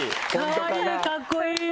「かわいい！カッコいい！」